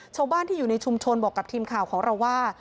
ชาวบ้านที่อยู่ในชุมชนบอกกับทีมข่าวของเราว่า